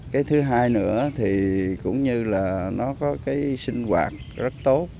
cái thứ hai nữa thì cũng như là nó có cái sinh hoạt rất tốt